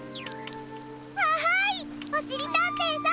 わいおしりたんていさん！